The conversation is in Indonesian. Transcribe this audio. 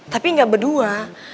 tapi gak berdua